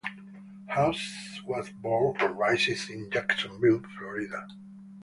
House was born and raised in Jacksonville, Florida.